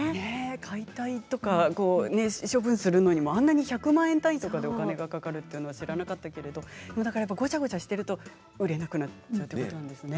解体とか処分するのにもあんなに１００万円単位とかでお金がかかるのは知らなかったけれどでもやっぱりごちゃごちゃしていると売れなくなってしまうんですね。